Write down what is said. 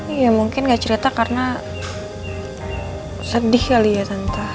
iya mungkin gak cerita karena sedih kali ya santa